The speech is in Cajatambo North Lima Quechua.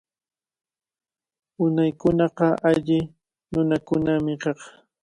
Unaykunaqa alli nunakunami kaq.